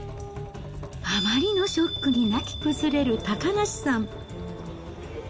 あまりのショックに泣き崩れる高梨さん。